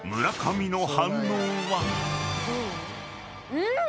うん！